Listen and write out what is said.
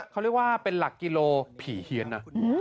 เขาเรียกว่าเป็นหลักกิโลผีเฮียนนะ